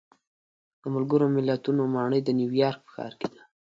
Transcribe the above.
د ملګرو ملتونو ماڼۍ د نیویارک په ښار کې ده.